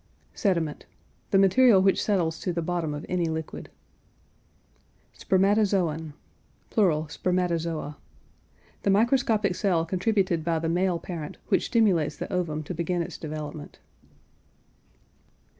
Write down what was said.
SEDIMENT. The material which settles to the bottom of any liquid. SPERMATOZOON (plural spermatozoa). The microscopic cell contributed by the male parent, which stimulates the ovum to begin its development.